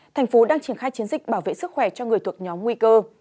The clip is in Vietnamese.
thành phố đang triển khai chiến dịch bảo vệ sức khỏe cho người thuộc nhóm nguy cơ